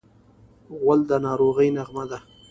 غول د ناروغۍ نغمه ده.